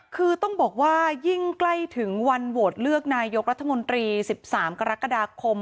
คือต้องบอกว่ายิ่งใกล้ถึงวันโหวตเลือกนายกรัฐมนตรี๑๓กรกฎาคม